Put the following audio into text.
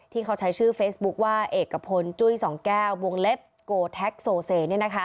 ที่เขาใช้ชื่อเฟซบุ๊คว่าเอกพลจุ้ยสองแก้ววงเล็บโกแท็กโซเซ